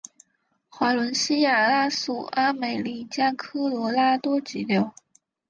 华伦西亚拉素阿美利加科罗拉多急流